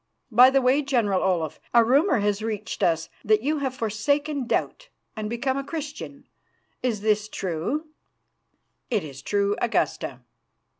By the way, General Olaf, a rumour has reached us that you have forsaken doubt, and become a Christian. Is this true?" "It is true, Augusta."